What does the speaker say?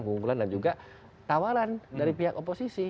keunggulan dan juga tawaran dari pihak oposisi